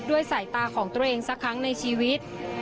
สายตาของตัวเองสักครั้งในชีวิต